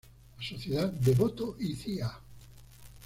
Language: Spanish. La "Sociedad Devoto y Cía.